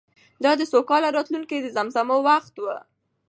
دا د سوکاله راتلونکې د زمزمو وخت و.